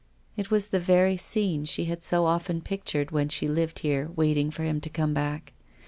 It was the very scene she had so often pictured when she lived here waiting for him to come back.